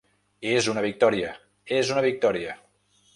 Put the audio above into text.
És una victòria, és una victòria.